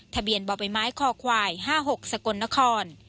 ทะเบียนบ่อใบไม้คอควาย๕๖สกลนคร